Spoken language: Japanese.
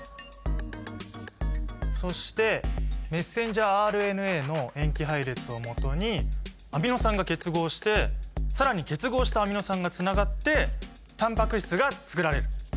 そしてメッセンジャーＲＮＡの塩基配列をもとにアミノ酸が結合して更に結合したアミノ酸がつながってタンパク質がつくられる。